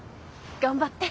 頑張って！